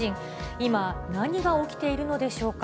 今、何が起きているのでしょうか。